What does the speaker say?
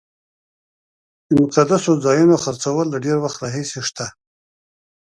د مقدسو ځایونو خرڅول له ډېر وخت راهیسې شته.